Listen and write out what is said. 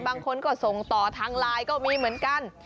บางคนก็ส่งต่อทางไลน์ก็มีเหมือนกัน